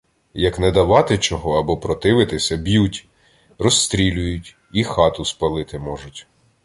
Як не давати чого або противитися — б'ють, розстрілюють і хату спалити можуть.